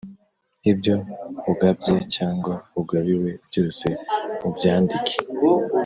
ibyo ugabye cyangwa ugabiwe, byose ubyandike.